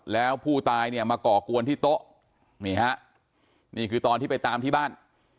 แล้วผู้ตายเนี่ยมาก่อกวนที่โต๊ะนี่ฮะนี่คือตอนที่ไปตามที่บ้าน